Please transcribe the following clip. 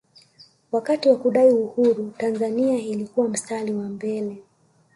wakati wa kudai uhuru tanzania ilikuwa mstari wa mbele